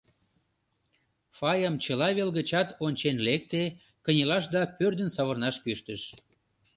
Фаям чыла вел гычат ончен лекте, кынелаш да пӧрдын савырнаш кӱштыш.